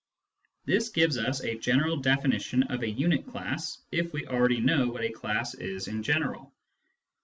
This gives us a definition of a unit class if we already know what a class is in general.